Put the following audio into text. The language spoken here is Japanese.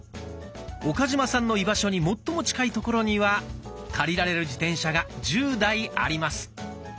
岡嶋さんの居場所に最も近い所には借りられる自転車が１０台あります。